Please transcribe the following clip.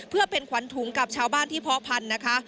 เพื่อเป็นขวัญถุงกับชาวบ้านที่เพาะพันธุ์นะคะ